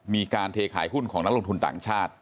มีการเทขายหุ้นของนักลงทุนต่างชาติ